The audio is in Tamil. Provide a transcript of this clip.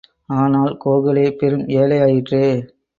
ஆனால், கோகலே பெரும் ஏழை ஆயிற்றே!